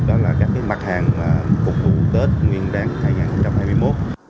đó là các mặt hàng phục vụ tết nguyên đáng hai nghìn hai mươi một